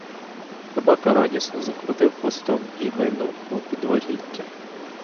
Собака радісно закрутив хвостом і гайнув у підворіття.